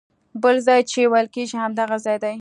بل ځای چې ویل کېږي همدغه ځای دی.